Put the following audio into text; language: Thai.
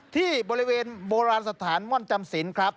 ที่บริเวณโบราณสถานม่อนจำศิลป์ครับ